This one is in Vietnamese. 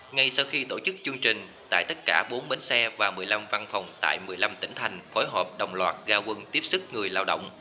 ngay sau khi tổ chức chương trình tại tất cả bốn bến xe và một mươi năm văn phòng tại một mươi năm tỉnh thành phối hợp đồng loạt ra quân tiếp sức người lao động